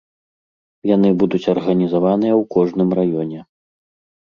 Яны будуць арганізаваныя ў кожным раёне.